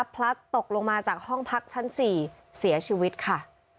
พลัดตกลงมาจากห้องพักชั้น๔เสียชีวิตค่ะ